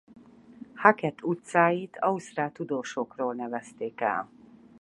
Hackett utcáit ausztrál tudósokról nevezték el.